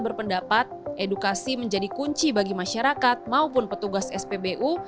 berpendapat edukasi menjadi kunci bagi masyarakat maupun petugas spbu